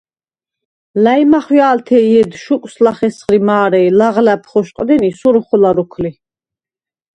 ლა̈ჲმახვა̄ლთე ი ჲედ შუკვს ლახ ესხრი მა̄რე ი ლაღლა̈ბ ხოშყდენი, სურუ ხოლა როქვ ლი.